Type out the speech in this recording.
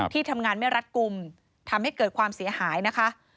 ที่ทำงานไม่รัดกลุ่มทำให้เกิดความเสียหายนะคะ